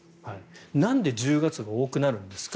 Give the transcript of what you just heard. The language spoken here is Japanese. なんで１０月が多くなるんですか。